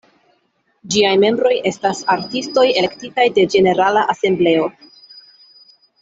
Ĝiaj membroj estas artistoj elektitaj de ĝenerala asembleo.